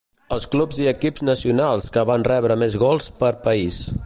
Els Clubs i equips nacionals que van rebre més gols per país.